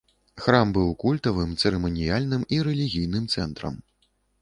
Храм быў культавым, цырыманіяльным і рэлігійным цэнтрам.